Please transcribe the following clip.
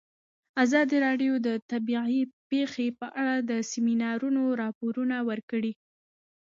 ازادي راډیو د طبیعي پېښې په اړه د سیمینارونو راپورونه ورکړي.